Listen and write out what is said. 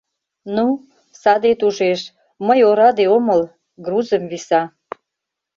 Ну, садет ужеш: мый ораде омыл, — грузым виса.